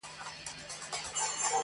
• اوس په ښار كي دا نااهله حكمران دئ -